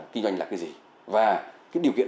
kinh doanh là cái gì và cái điều kiện